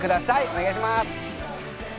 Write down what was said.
お願いします。